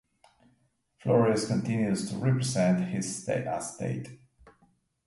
Flores continues to represent his estate.